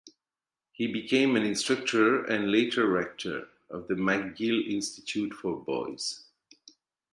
He became an instructor, and later rector, of the McGill Institute for Boys.